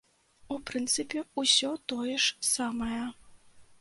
У прынцыпе, усё тое ж самае.